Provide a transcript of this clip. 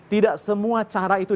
tidak semua cara itu